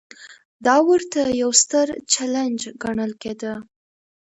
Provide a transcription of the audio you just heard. دا ورته یو ستر چلنج ګڼل کېده.